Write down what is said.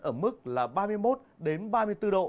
ở mức là ba mươi một ba mươi bốn độ